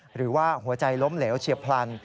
หรือว่าหัวใจล้มเหลวเฉียบพลัน